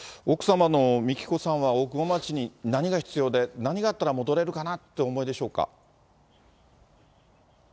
奥様の美喜子さんは、大熊町に何が必要で、何があったら戻れるかなってお思いでしょうか。